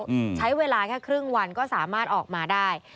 อืมใช้เวลาแค่ครึ่งวันก็สามารถออกมาได้